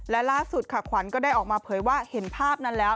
และล่าสุดค่ะขวัญก็ได้ออกมาเผยว่าเห็นภาพนั้นแล้ว